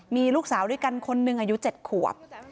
มีลูกสาวด้วยกันคนหนึ่งอายุ๗ขวบ